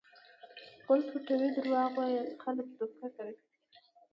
غول پټوي؛ دروغ وایي؛ خلک دوکه کوي.